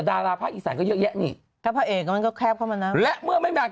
ทางภาคอีสานอุ๊ยโอ้ยแคร์ปเข้าไปละใครอ้าต่อ